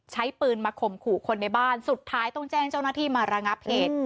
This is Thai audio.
ใช้ปืนมาข่มขู่คนในบ้านสุดท้ายต้องแจ้งเจ้าหน้าที่มาระงับเหตุ